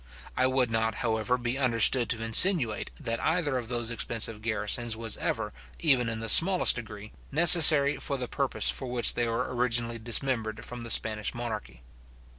I would not, however, be understood to insinuate, that either of those expensive garrisons was ever, even in the smallest degree, necessary for the purpose for which they were originally dismembered from the Spanish monarchy.